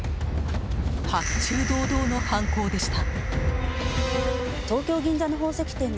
白昼堂々の犯行でした。